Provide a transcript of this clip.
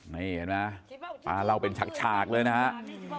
นี่เห็นไหมปลาเล่าเป็นฉากเลยนะครับ